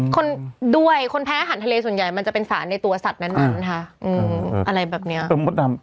คนด้วยคนแพ้อาหารทะเลส่วนใหญ่มันจะเป็นสารในตัวสัตว์นั้นค่ะอะไรแบบเนี้ย